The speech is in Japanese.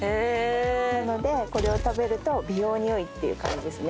なのでこれを食べると美容に良いっていう感じですね。